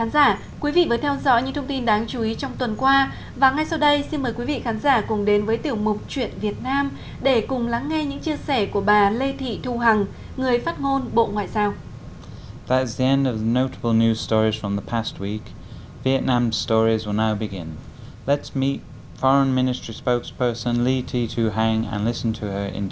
xin mời quý vị khán giả cùng đến với tiểu mục chuyện việt nam để cùng lắng nghe những chia sẻ của bà lê thị thu hằng người phát ngôn bộ ngoại giao